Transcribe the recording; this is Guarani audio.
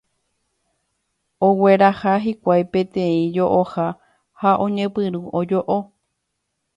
Ogueraha hikuái peteĩ jo'oha ha oñepyrũ ojo'o.